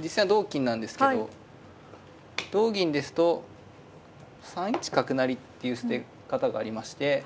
実戦は同金なんですけど同銀ですと３一角成っていう捨て方がありまして。